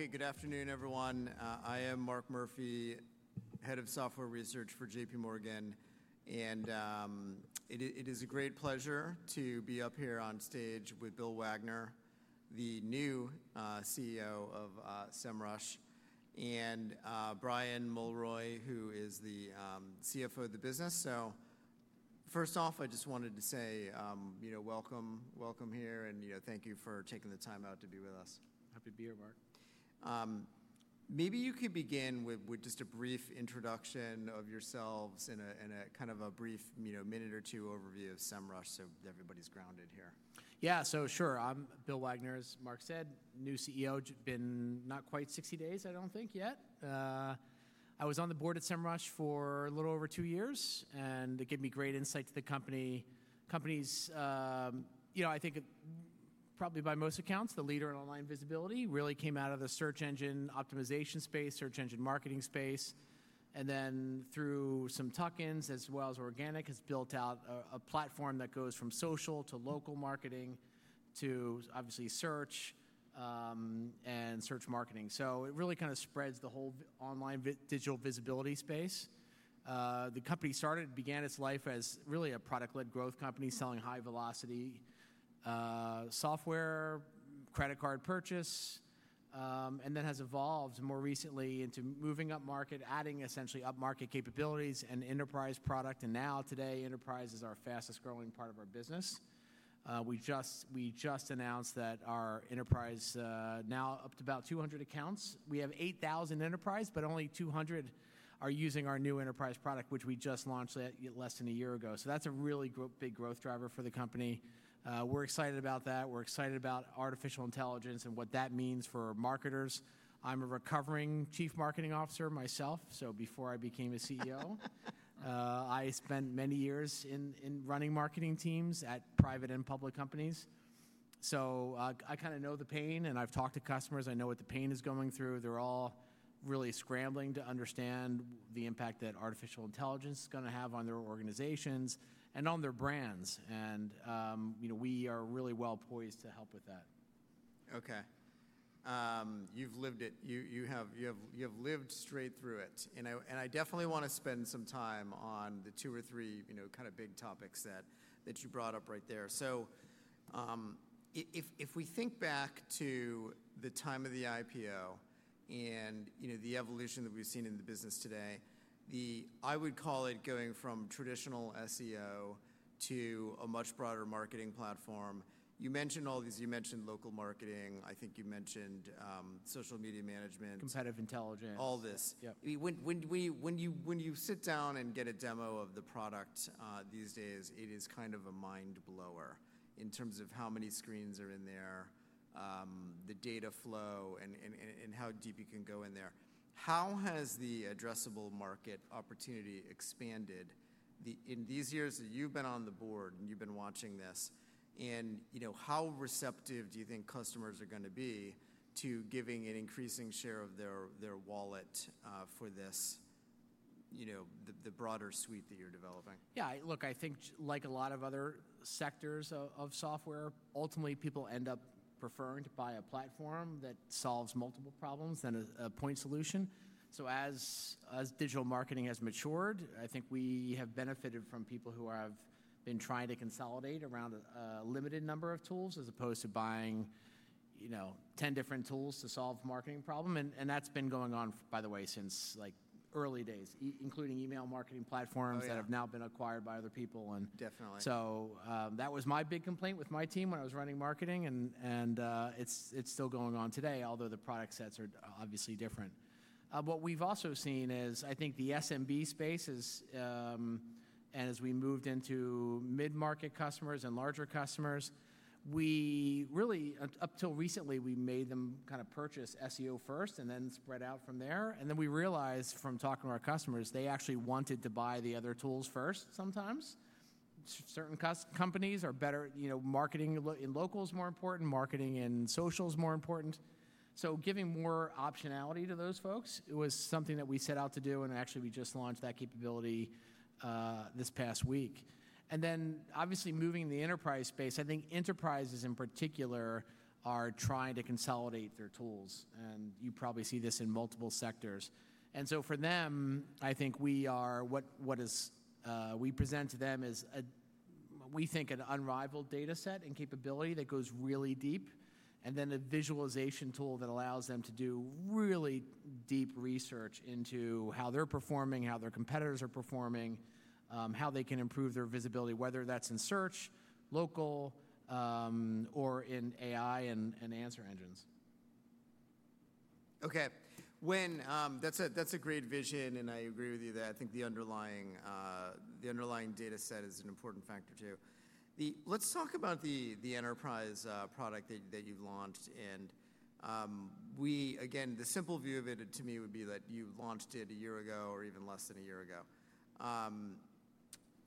Okay, good afternoon, everyone. I am Mark Murphy, Head of Software Research for J.P. Morgan. It is a great pleasure to be up here on stage with Bill Wagner, the new CEO of Semrush, and Brian Mulroy, who is the CFO of the business. First off, I just wanted to say, you know, welcome here, and thank you for taking the time out to be with us. Happy to be here, Mark. Maybe you could begin with just a brief introduction of yourselves and a kind of a brief minute or two overview of Semrush so everybody's grounded here. Yeah, so sure. I'm Bill Wagner, as Mark said, new CEO. Been not quite 60 days, I don't think, yet. I was on the board at Semrush for a little over two years, and it gave me great insight to the company. You know, I think probably by most accounts, the leader in online visibility really came out of the search engine optimization space, search engine marketing space. And then through some tuck-ins, as well as organic, has built out a platform that goes from social to local marketing to, obviously, search and search marketing. It really kind of spreads the whole online digital visibility space. The company started, began its life as really a product-led growth company selling high-velocity software, credit card purchase, and then has evolved more recently into moving up market, adding essentially up-market capabilities and enterprise product. Now today, enterprise is our fastest growing part of our business. We just announced that our enterprise is now up to about 200 accounts. We have 8,000 enterprise, but only 200 are using our new enterprise product, which we just launched less than a year ago. That is a really big growth driver for the company. We are excited about that. We are excited about artificial intelligence and what that means for marketers. I'm a recovering Chief Marketing Officer myself, so before I became a CEO, I spent many years running marketing teams at private and public companies. I kind of know the pain, and I've talked to customers. I know what the pain is going through. They are all really scrambling to understand the impact that artificial intelligence is going to have on their organizations and on their brands. We are really well poised to help with that. Okay. You've lived it. You have lived straight through it. I definitely want to spend some time on the two or three kind of big topics that you brought up right there. If we think back to the time of the IPO and the evolution that we've seen in the business today, I would call it going from traditional SEO to a much broader marketing platform. You mentioned all these. You mentioned local marketing. I think you mentioned social media management. Competitive intelligence. All this. When you sit down and get a demo of the product these days, it is kind of a mind-blower in terms of how many screens are in there, the data flow, and how deep you can go in there. How has the addressable market opportunity expanded in these years that you've been on the board and you've been watching this? How receptive do you think customers are going to be to giving an increasing share of their wallet for the broader suite that you're developing? Yeah, look, I think like a lot of other sectors of software, ultimately, people end up preferring to buy a platform that solves multiple problems than a point solution. As digital marketing has matured, I think we have benefited from people who have been trying to consolidate around a limited number of tools as opposed to buying 10 different tools to solve marketing problems. That has been going on, by the way, since early days, including email marketing platforms that have now been acquired by other people. Definitely. That was my big complaint with my team when I was running marketing, and it's still going on today, although the product sets are obviously different. What we've also seen is, I think, the SMB space, and as we moved into mid-market customers and larger customers, we really, up until recently, we made them kind of purchase SEO first and then spread out from there. We realized from talking to our customers, they actually wanted to buy the other tools first sometimes. Certain companies are better; marketing in local is more important, marketing in social is more important. Giving more optionality to those folks was something that we set out to do, and actually, we just launched that capability this past week. Obviously, moving the enterprise space, I think enterprises in particular are trying to consolidate their tools, and you probably see this in multiple sectors. For them, I think we are what we present to them as, we think, an unrivaled data set and capability that goes really deep, and then a visualization tool that allows them to do really deep research into how they're performing, how their competitors are performing, how they can improve their visibility, whether that's in search, local, or in AI and answer engines. Okay. That's a great vision, and I agree with you that I think the underlying data set is an important factor too. Let's talk about the enterprise product that you've launched. The simple view of it to me would be that you launched it a year ago or even less than a year ago.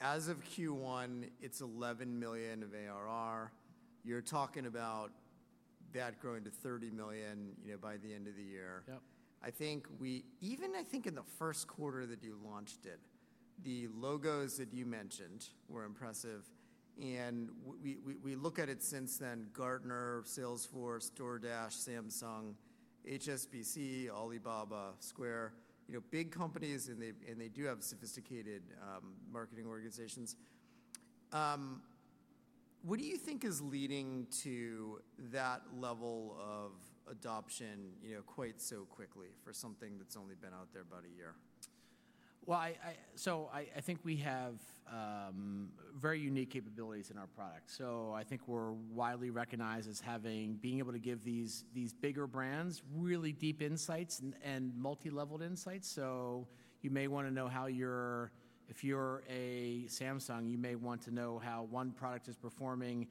As of Q1, it's $11 million of ARR. You're talking about that growing to $30 million by the end of the year. I think even in the first quarter that you launched it, the logos that you mentioned were impressive. We look at it since then: Gartner, Salesforce, DoorDash, Samsung, HSBC, Alibaba, Square, big companies, and they do have sophisticated marketing organizations. What do you think is leading to that level of adoption quite so quickly for something that's only been out there about a year? I think we have very unique capabilities in our product. I think we're widely recognized as having been able to give these bigger brands really deep insights and multi-leveled insights. You may want to know how your, if you're a Samsung, you may want to know how one product is performing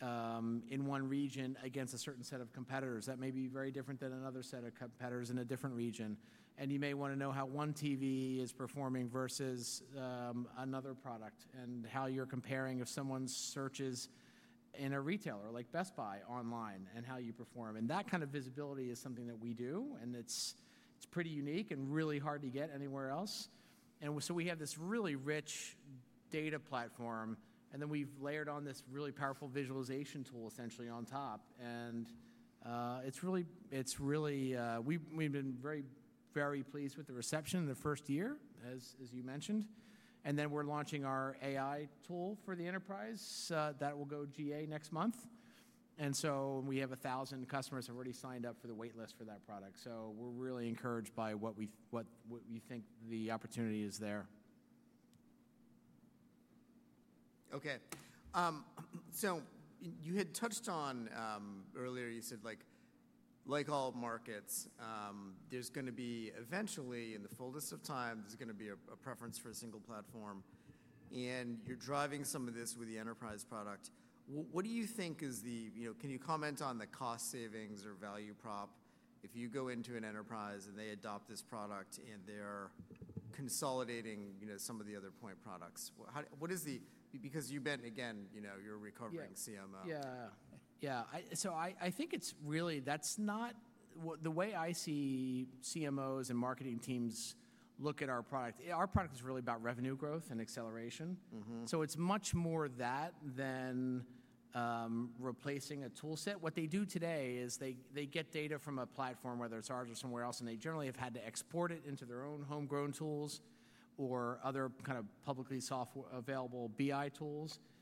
in one region against a certain set of competitors that may be very different than another set of competitors in a different region. You may want to know how one TV is performing versus another product and how you're comparing if someone searches in a retailer like Best Buy online and how you perform. That kind of visibility is something that we do, and it's pretty unique and really hard to get anywhere else. We have this really rich data platform, and then we've layered on this really powerful visualization tool essentially on top. It is really, we've been very, very pleased with the reception the first year, as you mentioned. We are launching our AI tool for the enterprise that will go GA next month. We have 1,000 customers who have already signed up for the waitlist for that product. We are really encouraged by what we think the opportunity is there. Okay. You had touched on earlier, you said, like all markets, there's going to be eventually, in the fullest of time, there's going to be a preference for a single platform. You are driving some of this with the enterprise product. What do you think is the, can you comment on the cost savings or value prop if you go into an enterprise and they adopt this product and they're consolidating some of the other point products? Because you bet, again, you're recovering CMO. Yeah, yeah. I think it's really, that's not the way I see CMOs and marketing teams look at our product. Our product is really about revenue growth and acceleration. It's much more that than replacing a toolset. What they do today is they get data from a platform, whether it's ours or somewhere else, and they generally have had to export it into their own homegrown tools or other kind of publicly available BI tools. We've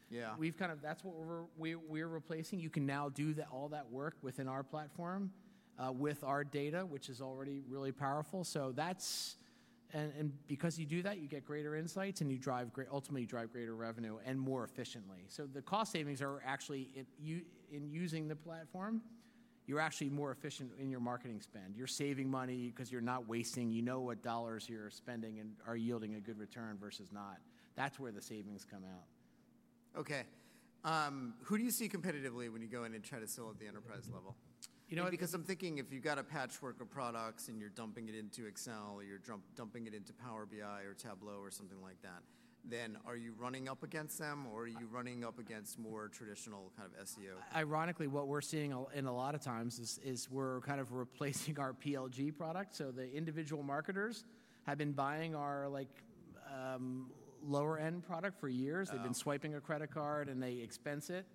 kind of, that's what we're replacing. You can now do all that work within our platform with our data, which is already really powerful. That's, and because you do that, you get greater insights and you drive, ultimately, you drive greater revenue and more efficiently. The cost savings are actually in using the platform, you're actually more efficient in your marketing spend. You're saving money because you're not wasting. You know what dollars you're spending and are yielding a good return versus not. That's where the savings come out. Okay. Who do you see competitively when you go in and try to sell at the enterprise level? You know what? Because I'm thinking if you've got a patchwork of products and you're dumping it into Excel or you're dumping it into Power BI or Tableau or something like that, then are you running up against them or are you running up against more traditional kind of SEO? Ironically, what we're seeing a lot of times is we're kind of replacing our PLG product. The individual marketers have been buying our lower-end product for years. They've been swiping a credit card and they expense it.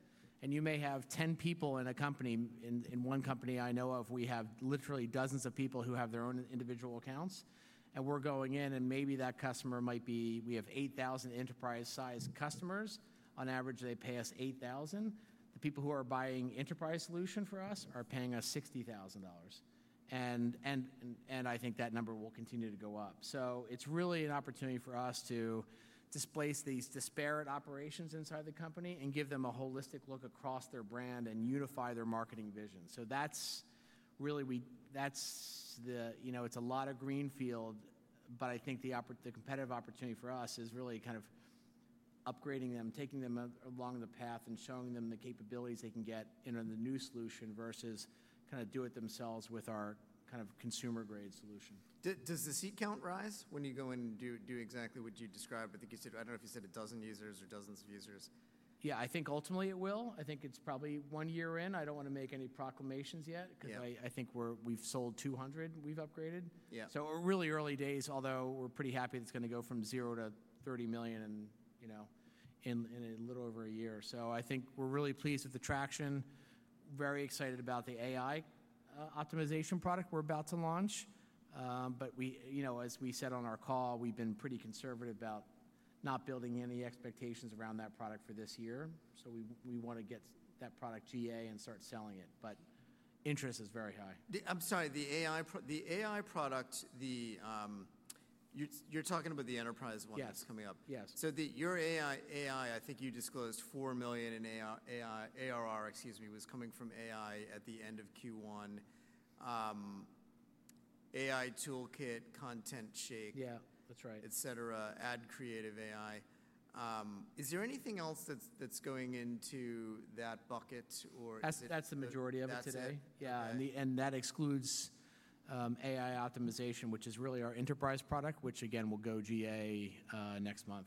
You may have 10 people in a company. In one company I know of, we have literally dozens of people who have their own individual accounts. We're going in and maybe that customer might be, we have 8,000 enterprise-sized customers. On average, they pay us $8,000. The people who are buying enterprise solutions for us are paying us $60,000. I think that number will continue to go up. It is really an opportunity for us to displace these disparate operations inside the company and give them a holistic look across their brand and unify their marketing vision. That's really, it's a lot of greenfield, but I think the competitive opportunity for us is really kind of upgrading them, taking them along the path and showing them the capabilities they can get in the new solution versus kind of do it themselves with our kind of consumer-grade solution. Does the seat count rise when you go in and do exactly what you described? I think you said, I don't know if you said a dozen users or dozens of users. Yeah, I think ultimately it will. I think it's probably one year in. I don't want to make any proclamations yet because I think we've sold 200, we've upgraded. So we're really early days, although we're pretty happy it's going to go from $0 to $30 million in a little over a year. I think we're really pleased with the traction, very excited about the AI Optimization product we're about to launch. As we said on our call, we've been pretty conservative about not building any expectations around that product for this year. We want to get that product GA and start selling it. Interest is very high. I'm sorry, the AI product, you're talking about the enterprise one that's coming up? Yes. Your AI, I think you disclosed $4 million in ARR, excuse me, was coming from AI at the end of Q1, AI Toolkit, ContentShake AI. Yeah, that's right. Et cetera, add creative AI. Is there anything else that's going into that bucket or? That's the majority of it today. That's today? Yeah. That excludes AI Optimization, which is really our enterprise product, which again will go GA next month.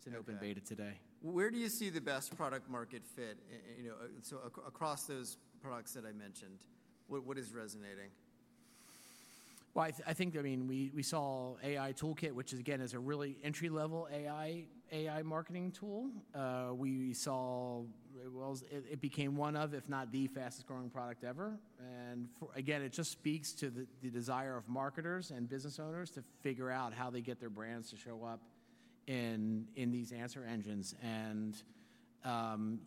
It is an open beta today. Where do you see the best product market fit? Across those products that I mentioned, what is resonating? I think, I mean, we saw AI Toolkit, which again is a really entry-level AI marketing tool. We saw it became one of, if not the fastest growing product ever. It just speaks to the desire of marketers and business owners to figure out how they get their brands to show up in these answer engines.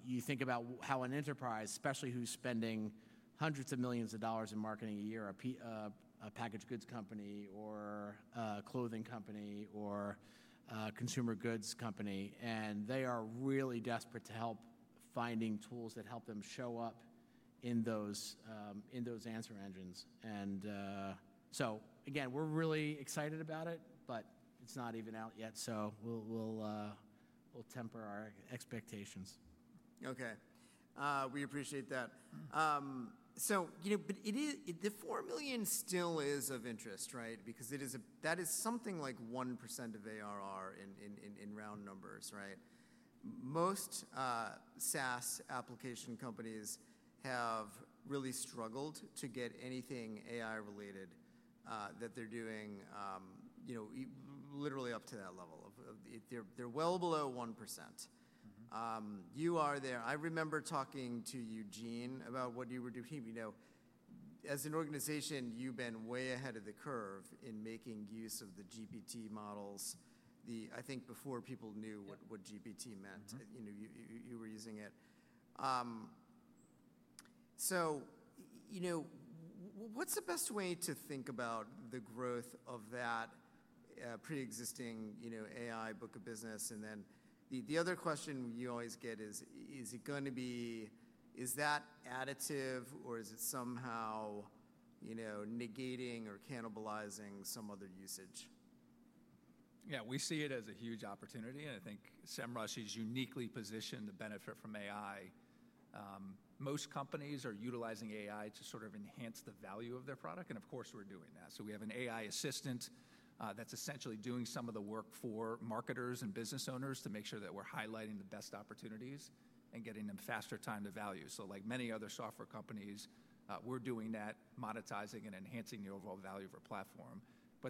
You think about how an enterprise, especially who's spending hundreds of millions of dollars in marketing a year, a packaged goods company or a clothing company or a consumer goods company, and they are really desperate to help finding tools that help them show up in those answer engines. We are really excited about it, but it's not even out yet. We will temper our expectations. Okay. We appreciate that. The $4 million still is of interest, right? Because that is something like 1% of ARR in round numbers, right? Most SaaS application companies have really struggled to get anything AI-related that they're doing literally up to that level of, they're well below 1%. You are there. I remember talking to Eugene about what you were doing. As an organization, you've been way ahead of the curve in making use of the GPT models. I think before people knew what GPT meant, you were using it. What's the best way to think about the growth of that pre-existing AI book of business? The other question you always get is, is it going to be, is that additive or is it somehow negating or cannibalizing some other usage? Yeah, we see it as a huge opportunity. I think Semrush is uniquely positioned to benefit from AI. Most companies are utilizing AI to sort of enhance the value of their product. Of course, we're doing that. We have an AI assistant that's essentially doing some of the work for marketers and business owners to make sure that we're highlighting the best opportunities and getting them faster time to value. Like many other software companies, we're doing that, monetizing and enhancing the overall value of our platform.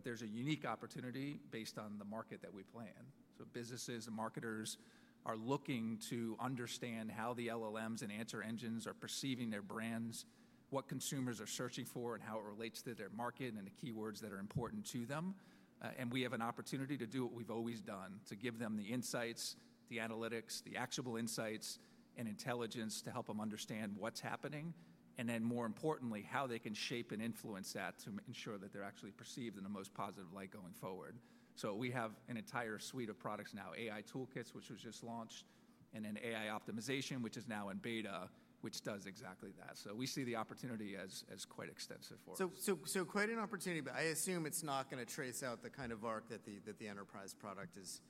There is a unique opportunity based on the market that we plan. Businesses and marketers are looking to understand how the LLMs and answer engines are perceiving their brands, what consumers are searching for and how it relates to their market and the keywords that are important to them. We have an opportunity to do what we've always done, to give them the insights, the analytics, the actual insights and intelligence to help them understand what's happening. More importantly, how they can shape and influence that to ensure that they're actually perceived in the most positive light going forward. We have an entire suite of products now, AI Toolkit, which was just launched, and then AI Optimization, which is now in beta, which does exactly that. We see the opportunity as quite extensive for us. Quite an opportunity, but I assume it's not going to trace out the kind of arc that the enterprise product is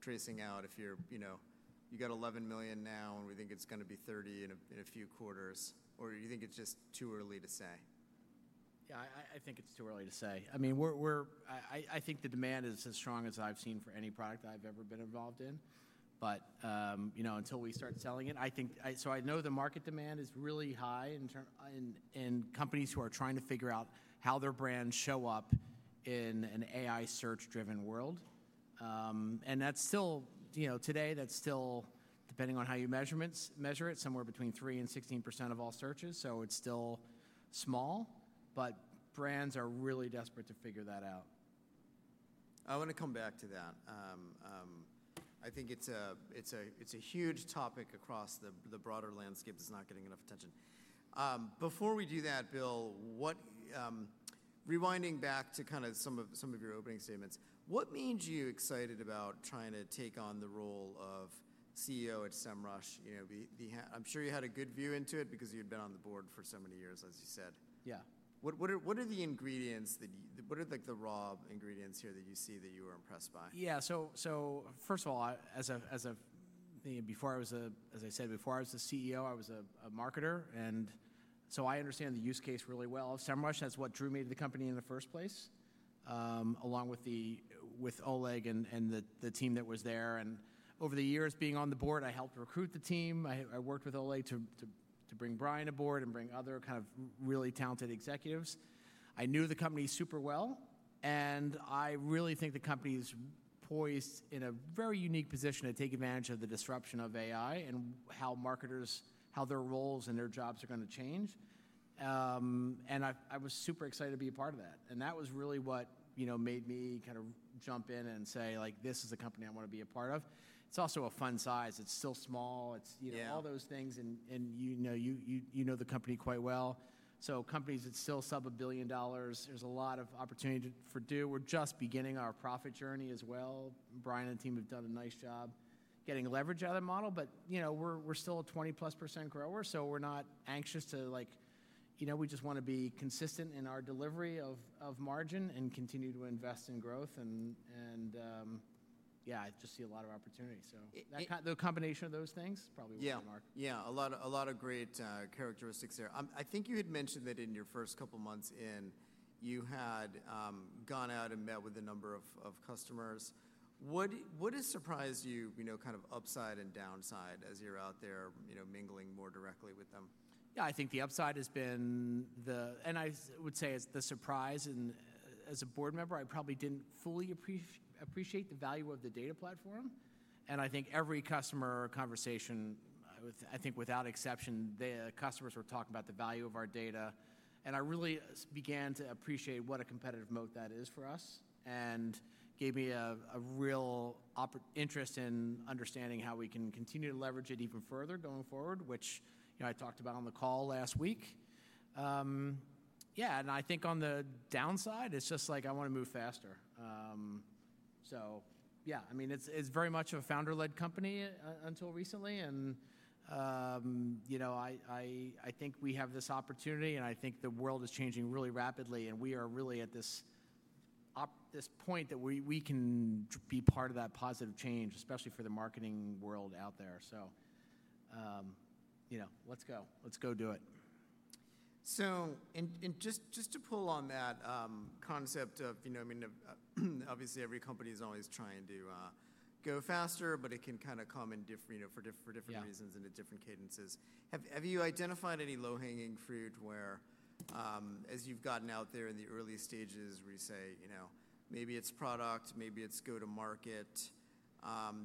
tracing out if you've got $11 million now and we think it's going to be $30 million in a few quarters. Or do you think it's just too early to say? Yeah, I think it's too early to say. I mean, I think the demand is as strong as I've seen for any product I've ever been involved in. But until we start selling it, I think, I know the market demand is really high in companies who are trying to figure out how their brands show up in an AI search-driven world. That's still, today, that's still depending on how you measure it, somewhere between 3% and 16% of all searches. It's still small, but brands are really desperate to figure that out. I want to come back to that. I think it's a huge topic across the broader landscape that's not getting enough attention. Before we do that, Bill, rewinding back to kind of some of your opening statements, what made you excited about trying to take on the role of CEO at Semrush? I'm sure you had a good view into it because you'd been on the board for so many years, as you said. Yeah. What are the raw ingredients here that you see that you were impressed by? Yeah. First of all, as I think before I was, as I said before, I was the CEO, I was a marketer. I understand the use case really well of Semrush. That is what drew me to the company in the first place, along with Oleg and the team that was there. Over the years being on the board, I helped recruit the team. I worked with Oleg to bring Brian aboard and bring other kind of really talented executives. I knew the company super well. I really think the company is poised in a very unique position to take advantage of the disruption of AI and how marketers, how their roles and their jobs are going to change. I was super excited to be a part of that. That was really what made me kind of jump in and say, like, this is a company I want to be a part of. It is also a fun size. It is still small. It is all those things. You know the company quite well. Companies that still sub a billion dollars, there is a lot of opportunity for do. We are just beginning our profit journey as well. Brian and the team have done a nice job getting leverage out of the model. We are still a 20+% grower. We are not anxious to, like, we just want to be consistent in our delivery of margin and continue to invest in growth. I just see a lot of opportunity. The combination of those things is probably where we are going to mark. Yeah, a lot of great characteristics there. I think you had mentioned that in your first couple of months in, you had gone out and met with a number of customers. What has surprised you, kind of upside and downside as you're out there mingling more directly with them? Yeah, I think the upside has been the, and I would say it's the surprise. As a board member, I probably didn't fully appreciate the value of the data platform. I think every customer conversation, I think without exception, the customers were talking about the value of our data. I really began to appreciate what a competitive moat that is for us and gave me a real interest in understanding how we can continue to leverage it even further going forward, which I talked about on the call last week. Yeah. I think on the downside, it's just like I want to move faster. Yeah, I mean, it's very much a founder-led company until recently. I think we have this opportunity and I think the world is changing really rapidly and we are really at this point that we can be part of that positive change, especially for the marketing world out there. Let's go. Let's go do it. Just to pull on that concept of, I mean, obviously every company is always trying to go faster, but it can kind of come in for different reasons and at different cadences. Have you identified any low-hanging fruit where, as you've gotten out there in the early stages, where you say, maybe it's product, maybe it's go-to-market,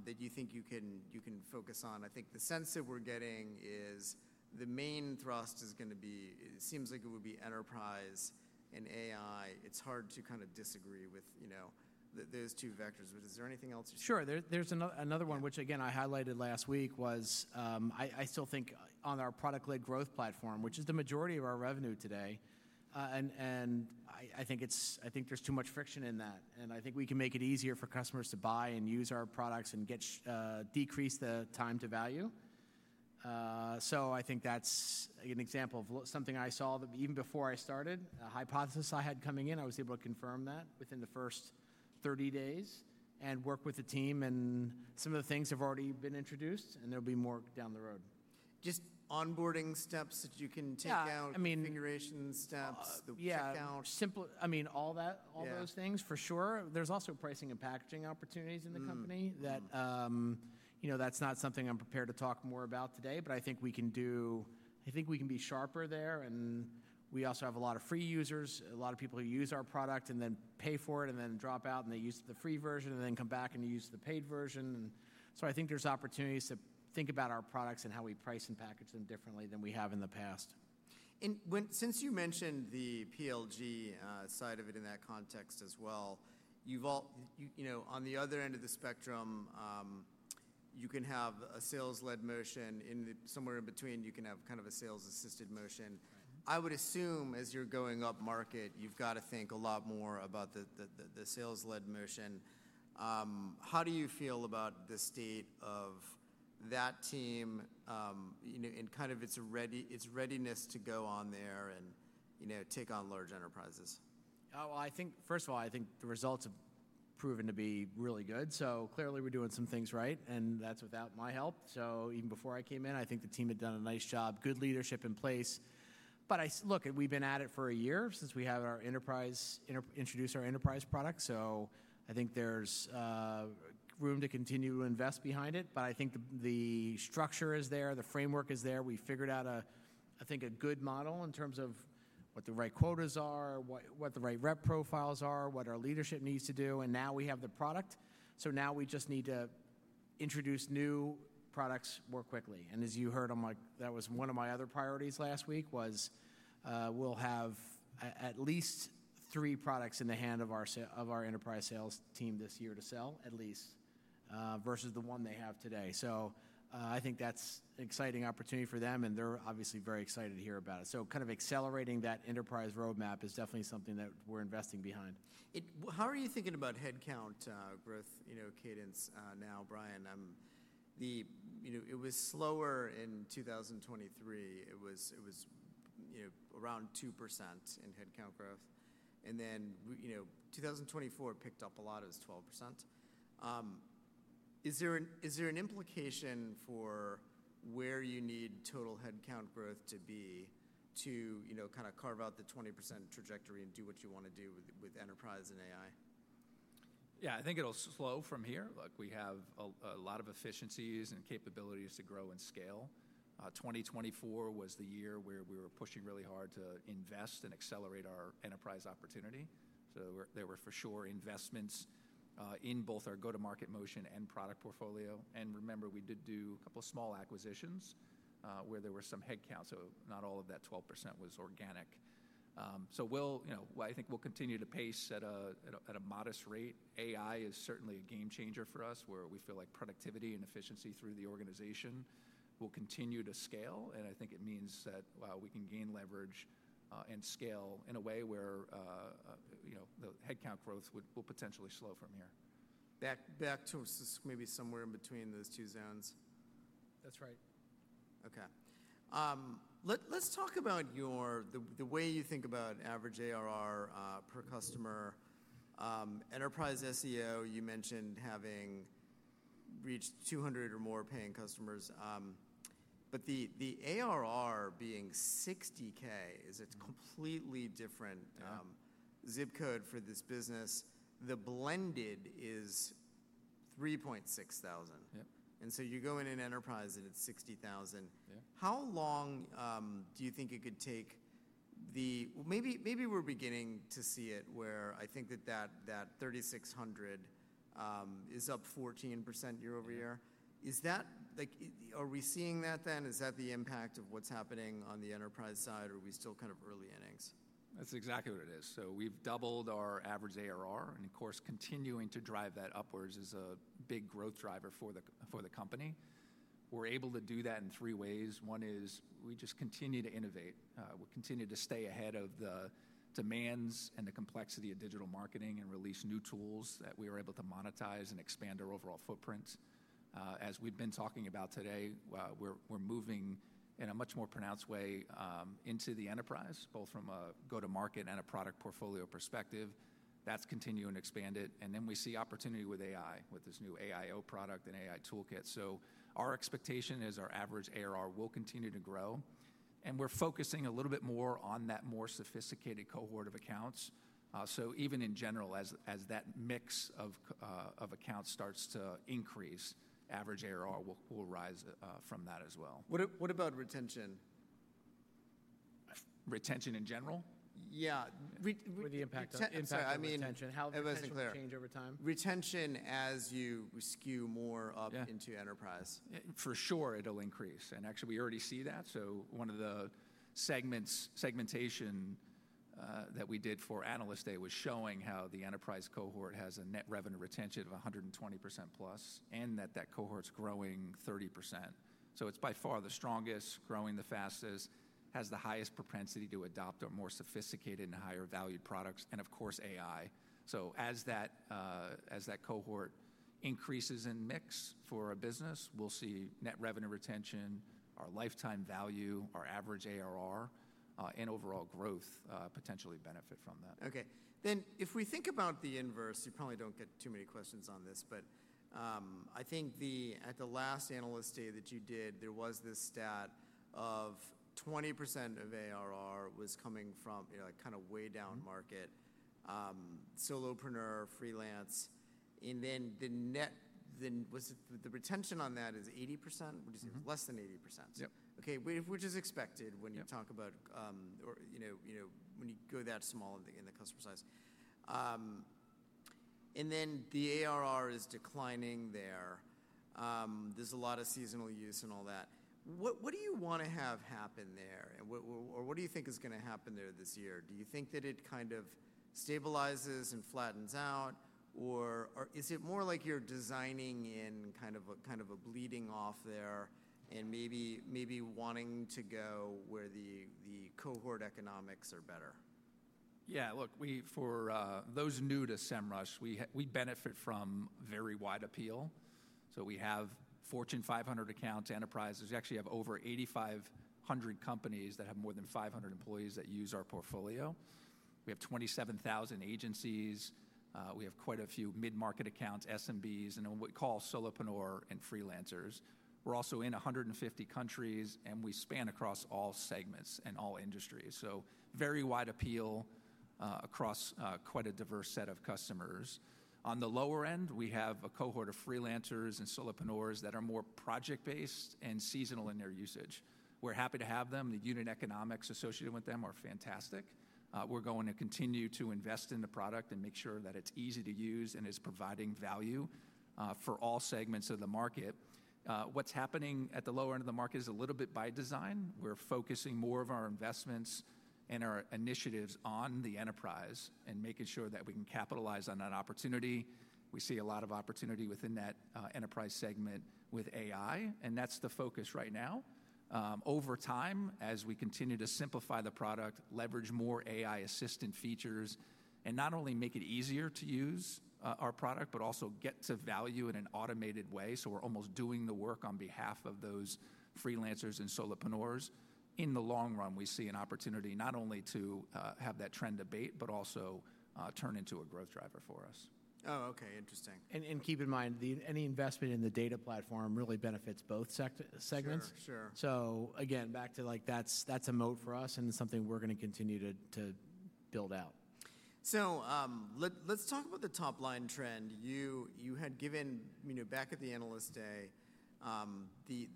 that you think you can focus on? I think the sense that we're getting is the main thrust is going to be, it seems like it would be enterprise and AI. It's hard to kind of disagree with those two vectors. Is there anything else? Sure. There's another one, which again, I highlighted last week. I still think on our product-led growth platform, which is the majority of our revenue today, there is too much friction in that. I think we can make it easier for customers to buy and use our products and decrease the time to value. I think that's an example of something I saw even before I started, a hypothesis I had coming in. I was able to confirm that within the first 30 days and work with the team. Some of the things have already been introduced and there will be more down the road. Just onboarding steps that you can take out, configuration steps, the checkout. Yeah. I mean, all those things for sure. There is also pricing and packaging opportunities in the company that that is not something I am prepared to talk more about today. I think we can do, I think we can be sharper there. We also have a lot of free users, a lot of people who use our product and then pay for it and then drop out and they use the free version and then come back and use the paid version. I think there are opportunities to think about our products and how we price and package them differently than we have in the past. Since you mentioned the PLG side of it in that context as well, on the other end of the spectrum, you can have a sales-led motion. Somewhere in between, you can have kind of a sales-assisted motion. I would assume as you're going up market, you've got to think a lot more about the sales-led motion. How do you feel about the state of that team and kind of its readiness to go on there and take on large enterprises? I think, first of all, I think the results have proven to be really good. Clearly we're doing some things right. That's without my help. Even before I came in, I think the team had done a nice job, good leadership in place. Look, we've been at it for a year since we had our enterprise, introduced our enterprise product. I think there's room to continue to invest behind it. I think the structure is there, the framework is there. We figured out, I think, a good model in terms of what the right quotas are, what the right rep profiles are, what our leadership needs to do. Now we have the product. Now we just need to introduce new products more quickly. As you heard, I'm like, that was one of my other priorities last week was we'll have at least three products in the hand of our enterprise sales team this year to sell at least versus the one they have today. I think that's an exciting opportunity for them. They're obviously very excited to hear about it. Kind of accelerating that enterprise roadmap is definitely something that we're investing behind. How are you thinking about headcount growth cadence now, Brian? It was slower in 2023. It was around 2% in headcount growth. In 2024 it picked up a lot, it is 12%. Is there an implication for where you need total headcount growth to be to kind of carve out the 20% trajectory and do what you want to do with enterprise and AI? Yeah, I think it'll slow from here. Look, we have a lot of efficiencies and capabilities to grow and scale. 2024 was the year where we were pushing really hard to invest and accelerate our enterprise opportunity. There were for sure investments in both our go-to-market motion and product portfolio. Remember, we did do a couple of small acquisitions where there were some headcounts. Not all of that 12% was organic. I think we'll continue to pace at a modest rate. AI is certainly a game changer for us where we feel like productivity and efficiency through the organization will continue to scale. I think it means that we can gain leverage and scale in a way where the headcount growth will potentially slow from here. That choice is maybe somewhere in between those two zones. That's right. Okay. Let's talk about the way you think about average ARR per customer. Enterprise SEO, you mentioned having reached 200 or more paying customers. But the ARR being $60,000 is a completely different zip code for this business. The blended is $3,600. And so you go in an enterprise and it's $60,000. How long do you think it could take? Maybe we're beginning to see it where I think that that $3,600 is up 14% year over year. Are we seeing that then? Is that the impact of what's happening on the enterprise side or are we still kind of early innings? That's exactly what it is. We've doubled our average ARR. Of course, continuing to drive that upwards is a big growth driver for the company. We're able to do that in three ways. One is we just continue to innovate. We continue to stay ahead of the demands and the complexity of digital marketing and release new tools that we are able to monetize and expand our overall footprint. As we've been talking about today, we're moving in a much more pronounced way into the enterprise, both from a go-to-market and a product portfolio perspective. That's continuing to expand it. We see opportunity with AI, with this new AI Optimization product and AI Toolkit. Our expectation is our average ARR will continue to grow. We're focusing a little bit more on that more sophisticated cohort of accounts. Even in general, as that mix of accounts starts to increase, average ARR will rise from that as well. What about retention? Retention in general? Yeah. What's the impact on retention? I mean, it doesn't change over time. Retention as you skew more up into enterprise. For sure, it'll increase. Actually, we already see that. One of the segmentation that we did for Analyst Day was showing how the enterprise cohort has a net revenue retention of 120% plus and that that cohort's growing 30%. It is by far the strongest, growing the fastest, has the highest propensity to adopt our more sophisticated and higher valued products. Of course, AI. As that cohort increases in mix for a business, we'll see net revenue retention, our lifetime value, our average ARR, and overall growth potentially benefit from that. Okay. If we think about the inverse, you probably don't get too many questions on this. I think at the last Analyst Day that you did, there was this stat of 20% of ARR was coming from kind of way down market, solopreneur, freelance. The net, the retention on that is 80%, which is less than 80%. Yep. Okay. Which is expected when you talk about, or when you go that small in the customer size. And then the ARR is declining there. There is a lot of seasonal use and all that. What do you want to have happen there? Or what do you think is going to happen there this year? Do you think that it kind of stabilizes and flattens out? Or is it more like you are designing in kind of a bleeding off there and maybe wanting to go where the cohort economics are better? Yeah. Look, for those new to Semrush, we benefit from very wide appeal. We have Fortune 500 accounts, enterprises. We actually have over 8,500 companies that have more than 500 employees that use our portfolio. We have 27,000 agencies. We have quite a few mid-market accounts, SMBs, and what we call solopreneur and freelancers. We're also in 150 countries, and we span across all segments and all industries. Very wide appeal across quite a diverse set of customers. On the lower end, we have a cohort of freelancers and solopreneurs that are more project-based and seasonal in their usage. We're happy to have them. The unit economics associated with them are fantastic. We're going to continue to invest in the product and make sure that it's easy to use and is providing value for all segments of the market. What's happening at the lower end of the market is a little bit by design. We're focusing more of our investments and our initiatives on the enterprise and making sure that we can capitalize on that opportunity. We see a lot of opportunity within that enterprise segment with AI. That's the focus right now. Over time, as we continue to simplify the product, leverage more AI-assisted features, and not only make it easier to use our product, but also get to value in an automated way. We're almost doing the work on behalf of those freelancers and solopreneurs. In the long run, we see an opportunity not only to have that trend abate, but also turn into a growth driver for us. Oh, okay. Interesting. Keep in mind, any investment in the data platform really benefits both segments. Sure. Again, back to that's a moat for us and something we're going to continue to build out. Let's talk about the top line trend. You had given, back at the Analyst Day,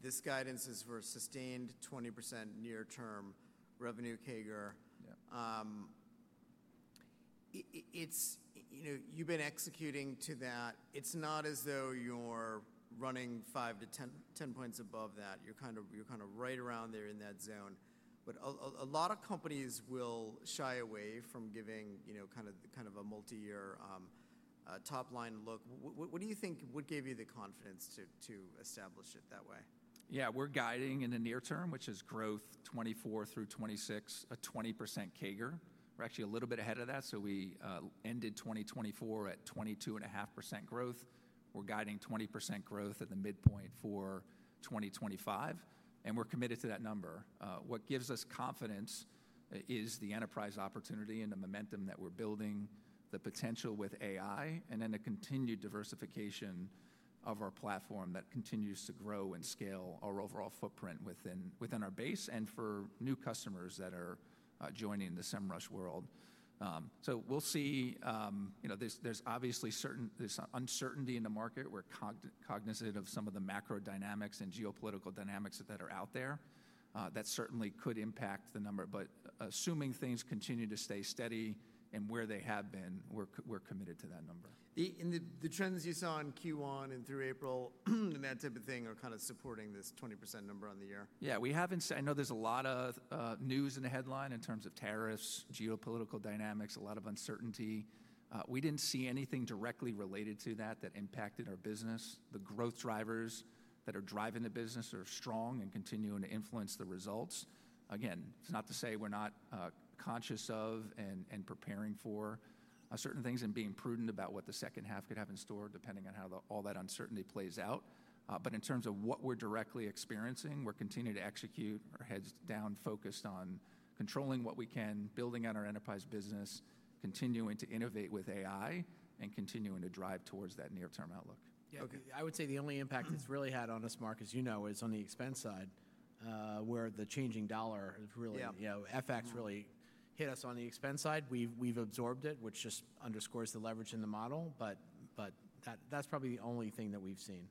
this guidance is for sustained 20% near-term revenue CAGR. You've been executing to that. It's not as though you're running 5-10 points above that. You're kind of right around there in that zone. A lot of companies will shy away from giving kind of a multi-year top line look. What do you think gave you the confidence to establish it that way? Yeah. We're guiding in the near term, which is growth 2024 through 2026, a 20% CAGR. We're actually a little bit ahead of that. So we ended 2024 at 22.5% growth. We're guiding 20% growth at the midpoint for 2025. And we're committed to that number. What gives us confidence is the enterprise opportunity and the momentum that we're building, the potential with AI, and then the continued diversification of our platform that continues to grow and scale our overall footprint within our base and for new customers that are joining the Semrush world. We'll see. There's obviously certain uncertainty in the market. We're cognizant of some of the macro dynamics and geopolitical dynamics that are out there. That certainly could impact the number. But assuming things continue to stay steady and where they have been, we're committed to that number. The trends you saw in Q1 and through April and that type of thing are kind of supporting this 20% number on the year? Yeah. I know there's a lot of news in the headline in terms of tariffs, geopolitical dynamics, a lot of uncertainty. We didn't see anything directly related to that that impacted our business. The growth drivers that are driving the business are strong and continuing to influence the results. Again, it's not to say we're not conscious of and preparing for certain things and being prudent about what the second half could have in store depending on how all that uncertainty plays out. In terms of what we're directly experiencing, we're continuing to execute our heads down, focused on controlling what we can, building out our enterprise business, continuing to innovate with AI, and continuing to drive towards that near-term outlook. Yeah. I would say the only impact it's really had on us, Mark, as you know, is on the expense side where the changing dollar effects really hit us on the expense side. We've absorbed it, which just underscores the leverage in the model. That is probably the only thing that we've seen.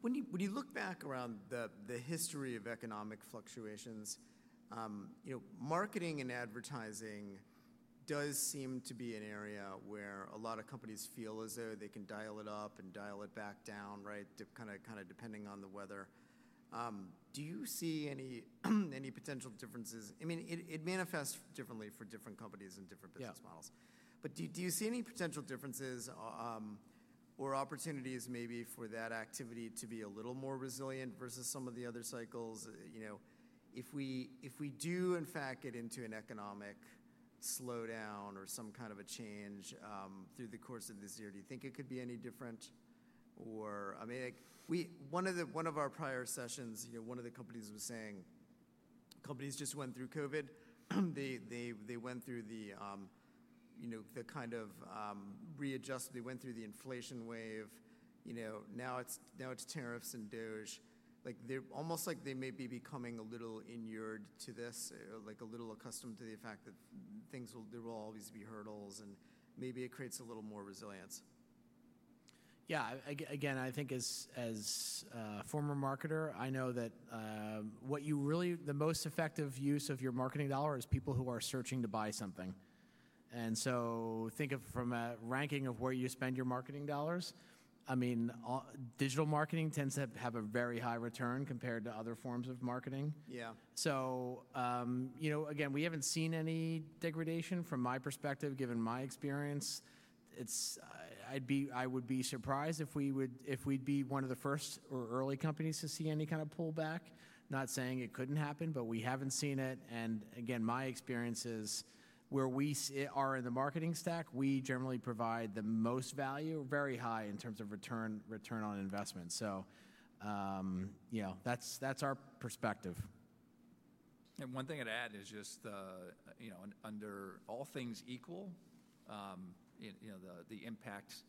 When you look back around the history of economic fluctuations, marketing and advertising does seem to be an area where a lot of companies feel as though they can dial it up and dial it back down, right? Kind of depending on the weather. Do you see any potential differences? I mean, it manifests differently for different companies and different business models. Do you see any potential differences or opportunities maybe for that activity to be a little more resilient versus some of the other cycles? If we do, in fact, get into an economic slowdown or some kind of a change through the course of this year, do you think it could be any different? I mean, one of our prior sessions, one of the companies was saying companies just went through COVID. They went through the kind of readjust. They went through the inflation wave. Now it's tariffs and DOGE. Almost like they may be becoming a little inured to this, like a little accustomed to the fact that there will always be hurdles and maybe it creates a little more resilience. Yeah. Again, I think as a former marketer, I know that what you really, the most effective use of your marketing dollar is people who are searching to buy something. I mean, think of from a ranking of where you spend your marketing dollars. I mean, digital marketing tends to have a very high return compared to other forms of marketing. Yeah. Again, we haven't seen any degradation from my perspective, given my experience. I would be surprised if we'd be one of the first or early companies to see any kind of pullback. Not saying it couldn't happen, but we haven't seen it. Again, my experience is where we are in the marketing stack, we generally provide the most value, very high in terms of return on investment. That's our perspective. One thing I'd add is just under all things equal, the impacts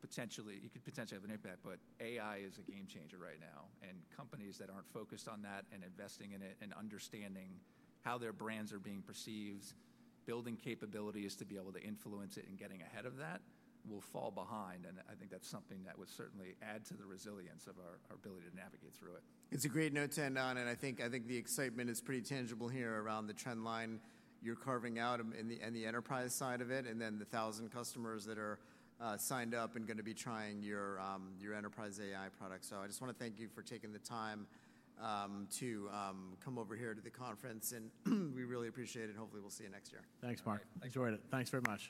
potentially, you could potentially have an impact, but AI is a game changer right now. Companies that aren't focused on that and investing in it and understanding how their brands are being perceived, building capabilities to be able to influence it and getting ahead of that will fall behind. I think that's something that would certainly add to the resilience of our ability to navigate through it. It's a great note to end on. I think the excitement is pretty tangible here around the trend line you're carving out in the enterprise side of it and then the thousand customers that are signed up and going to be trying your enterprise AI product. I just want to thank you for taking the time to come over here to the conference. We really appreciate it. Hopefully, we'll see you next year. Thanks, Mark. Thanks, for having. Thanks very much.